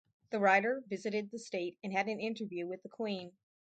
The writer visited the state and had an interview with the queen.